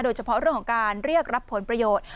โดยเฉพาะเรื่องของการเรียกรับผลประโยชน์